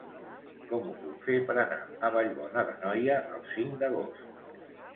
Com ho puc fer per anar a Vallbona d'Anoia el cinc d'agost?